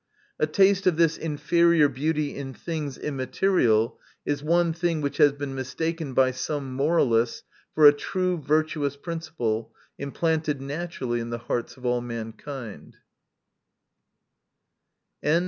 A taste of this inferior beauty in things immaterial, is one thing which has been mistaken by some moralists, for a true virtuous principle, implanted naturally in the hearts of all mankind.